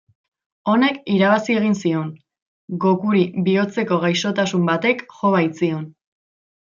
Honek irabazi egin zion, Gokuri bihotzeko gaixotasun batek jo baitzion.